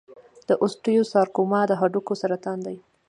د اوسټیوسارکوما د هډوکو سرطان دی.